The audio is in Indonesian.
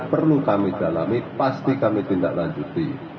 perlu kami dalami pasti kami tindak lanjuti